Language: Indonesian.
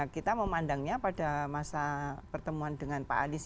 kita memandangnya pada masa pertemuan dengan pak anies